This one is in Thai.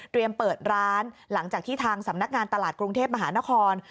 เปิดร้านหลังจากที่ทางสำนักงานตลาดกรุงเทพมหานคร